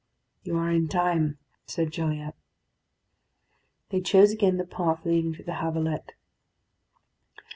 "You are in time," said Gilliatt. They chose again the path leading to the Havelet.